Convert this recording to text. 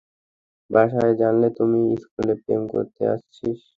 বাসায় জানে তুই স্কুলে প্রেম করতে আসিস?